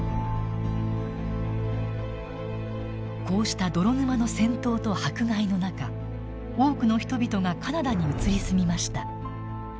こうした泥沼の戦闘と迫害の中多くの人々がカナダに移り住みました。